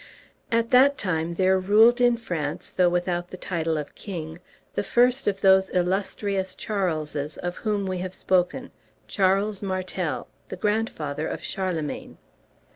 At that time there ruled in France, though without the title of king, the first of those illustrious Charleses of whom we have spoken, Charles Martel, the grandfather of Charlemagne.